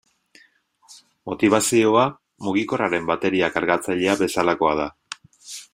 Motibazioa mugikorraren bateria kargatzailea bezalakoa da.